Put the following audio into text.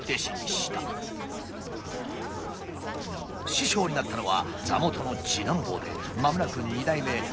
師匠になったのは座元の次男坊で間もなく二代目中村傳